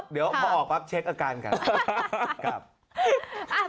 เดี๋ยวพอออกปั๊บเช็คอาการกัน